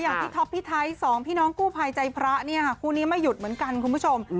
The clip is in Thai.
พี่ท็อปพี่ไทยสองพี่น้องกู้ภัยใจพระเนี่ยค่ะคู่นี้ไม่หยุดเหมือนกันคุณผู้ชม